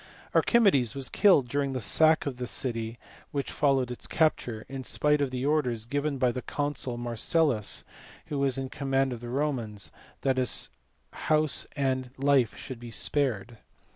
Archimedes was killed during the sack of the city which followed its capture, in spite of the orders, given by the consul Marcellus who was in command of the Romans, that his house and life should be spared.